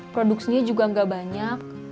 produksinya juga gak banyak